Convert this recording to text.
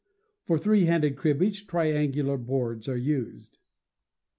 For three handed cribbage triangular boards are used.